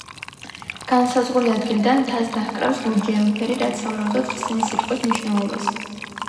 განსაზღვრული ადგილიდან მთას დაჰკრავს ლურჯი ელფერი, რაც სავარაუდოდ ხსნის სიტყვის მნიშვნელობას.